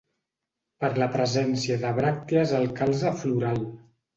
Per la presència de bràctees al calze floral.